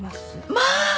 まあ！